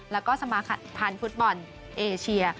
แล้วก็สมาพันธ์ฟุตบอลเอเชีย